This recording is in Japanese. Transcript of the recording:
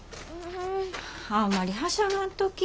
あんまりはしゃがんとき。